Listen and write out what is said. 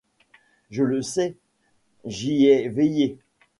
Je le sais, j’y ai veillé.